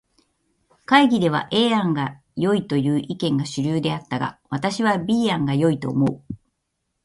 会議では A 案がよいという意見が主流であったが、私は B 案が良いと思う。